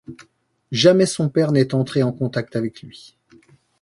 Jamais son père n'est entré en contact avec lui.